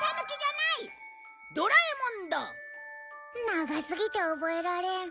長すぎて覚えられん。